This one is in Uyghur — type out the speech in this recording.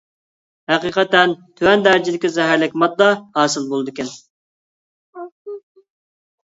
ھەقىقەتەن تۆۋەن دەرىجىدىكى زەھەرلىك ماددا ھاسىل بولىدىكەن.